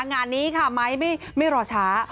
งานนี้ไมค์ไม่รอช้า